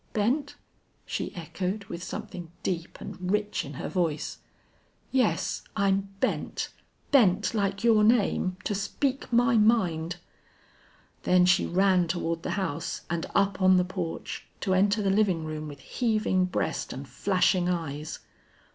"Bent?" she echoed, with something deep and rich in her voice. "Yes, I'm bent bent like your name to speak my mind!" Then she ran toward the house and up on the porch, to enter the living room with heaving breast and flashing eyes.